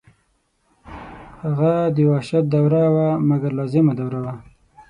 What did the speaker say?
هغه د وحشت دوره وه مګر لازمه دوره وه.